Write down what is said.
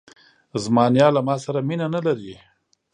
زما نیا له ماسره مینه نه لري.